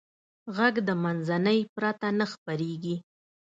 غږ د منځنۍ پرته نه خپرېږي.